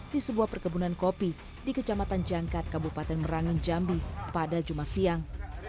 di sebuah perkebunan kopi di kecamatan jangkat kabupaten merangin jambi pada jumat siang